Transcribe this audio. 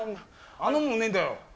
「あの」もねえんだよ。